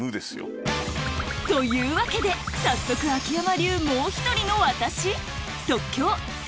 というわけで早速秋山流「もうひとりのワタシ。」？